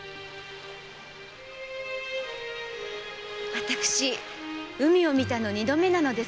私海を見たの二度目なのですよ。